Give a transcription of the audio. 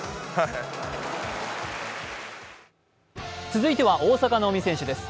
続いては大坂なおみ選手です。